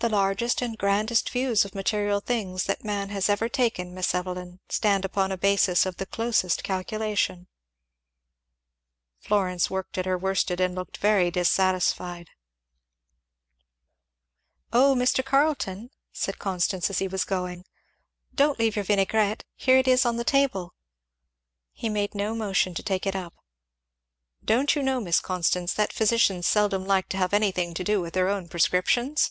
"The largest and grandest views of material things that man has ever taken, Miss Evelyn, stand upon a basis of the closest calculation." Florence worked at her worsted and looked very dissatisfied. "O Mr. Carleton," said Constance as he was going, "don't leave your vinaigrette there it is on the table." He made no motion to take it up. "Don't you know, Miss Constance, that physicians seldom like to have anything to do with their own prescriptions?"